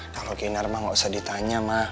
kalau kinar mah gak usah ditanya mah